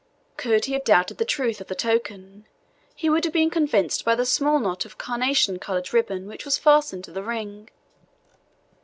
Could he have doubted the truth of the token, he would have been convinced by the small knot of carnation coloured ribbon which was fastened to the ring.